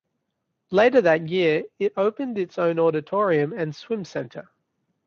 Later that year, it opened its own auditorium and swim center.